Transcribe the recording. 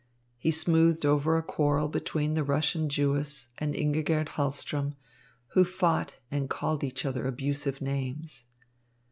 He smoothed over a quarrel between the Russian Jewess and Ingigerd Hahlström, who fought and called each other abusive names.